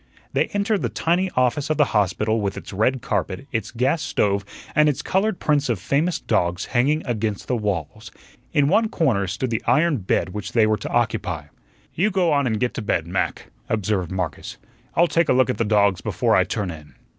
They entered the tiny office of the hospital with its red carpet, its gas stove, and its colored prints of famous dogs hanging against the walls. In one corner stood the iron bed which they were to occupy. "You go on an' get to bed, Mac," observed Marcus. "I'll take a look at the dogs before I turn in."